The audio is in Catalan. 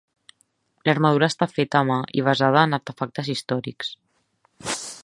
L'armadura està feta a mà i basada en artefactes històrics.